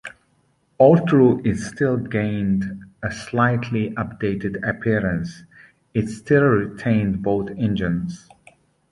Although it gained a slightly updated appearance, it still retained both engines.